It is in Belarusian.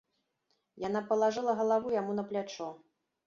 Яна палажыла галаву яму на плячо.